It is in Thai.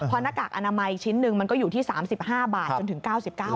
เพราะหน้ากากอนามัยชิ้นหนึ่งมันก็อยู่ที่๓๕บาทจนถึง๙๙บาท